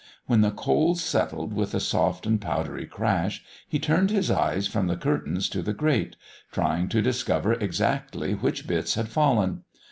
When the coals settled with a soft and powdery crash, he turned his eyes from the curtains to the grate, trying to discover exactly which bits had fallen.